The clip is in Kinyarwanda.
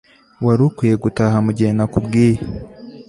Wari ukwiye gutaha mugihe nakubwiye